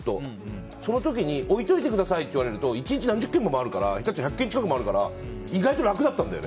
その時に置いておいてくださいって言われると１日１００軒近く回るから意外と楽だったんだよね。